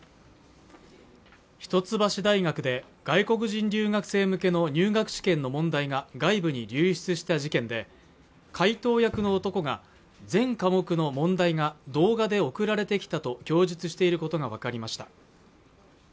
一橋大学で外国人留学生向けの入学試験の問題が外部に流出した事件で解答役の男が全科目の問題が動画で送られてきたと供述していることが分かりました